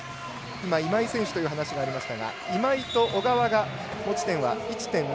今井選手の話がありましたが今井と小川が持ち点は１．０。